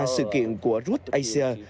sự kiện của route asia